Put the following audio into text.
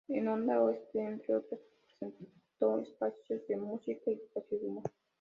En Onda Oeste entre otras presentó espacios de música y espacios de humor.